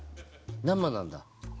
生なんだ。